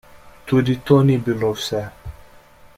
Tudi to ni bilo vse.